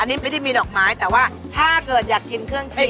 อันนี้ไม่ได้มีดอกไม้แต่ว่าถ้าเกิดอยากกินเครื่องเค็ง